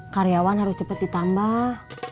karyawan harus cepat ditambah